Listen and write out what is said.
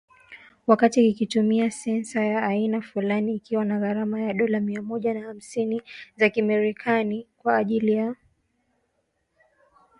Wakati kikitumia sensa ya aina fulani, ikiwa na gharama ya dola mia moja na hamsini za kimerekani kwa ajili ya kukagua ubora wa hewa kwenye jiji la Kampala.